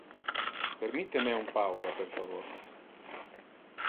Permitte me un pausa, per favor.